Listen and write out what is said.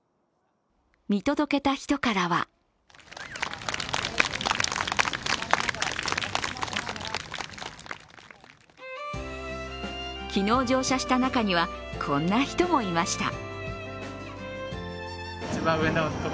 見届けた人からは昨日乗車した中には、こんな人もいました。